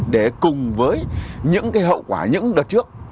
để cùng với những hậu quả những đợt trước